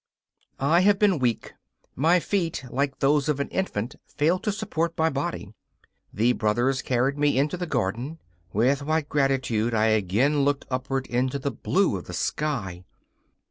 I have been weak. My feet, like those of an infant, failed to support my body. The brothers carried me into the garden. With what gratitude I again looked upward into the blue of the sky!